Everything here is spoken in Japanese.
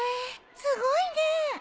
すごいね。